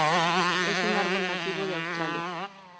Es un árbol nativo de Australia.